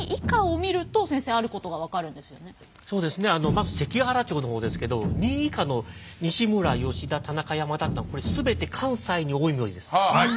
まず関ケ原町の方ですけど２位以下の西村吉田田中山田っていうのは全て関西に多い名字です。